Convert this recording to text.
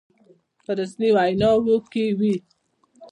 په رسمي ویناوو کې وي.